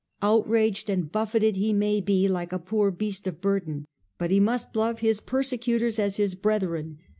Outraged and buffeted he may be, like a poor beast of burden ; but he must love his persecutors as his brethren.